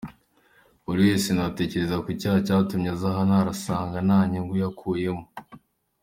Buri wese natekereza ku cyaha cyatumye aza hano arasanga nta nyungu yakuyemo.